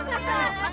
bawa bawa mereka